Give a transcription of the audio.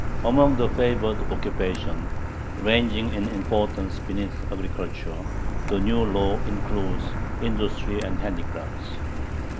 Among the favored occupations, ranging in importance beneath agriculture, the new law includes industry and handicrafts.